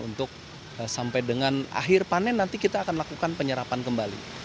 untuk sampai dengan akhir panen nanti kita akan lakukan penyerapan panen